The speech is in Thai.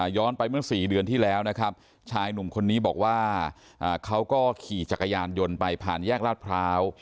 ไปเมื่อ๔เดือนที่แล้วนะครับชายหนุ่มคนนี้บอกว่าเขาก็ขี่จักรยานยนต์ไปผ่านแยกลาดพร้าว